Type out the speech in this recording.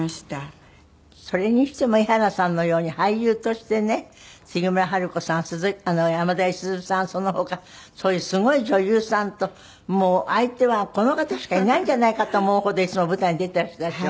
それにしても江原さんのように俳優としてね杉村春子さん山田五十鈴さんその他そういうすごい女優さんともう相手はこの方しかいないんじゃないかと思うほどいつも舞台に出てらしたでしょ？